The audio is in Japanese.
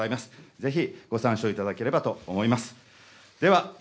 ぜひご参照いただければと思います。